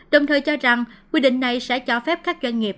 đồng thời cho rằng quy định này sẽ cho phép các doanh nghiệp